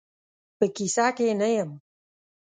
په کیسه کې یې نه یم.